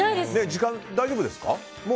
時間大丈夫ですか？